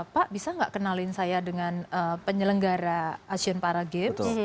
pak bisa nggak kenalin saya dengan penyelenggara asian para games